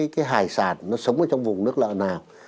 cái hải sản nó sống ở trong vùng nước lợi nào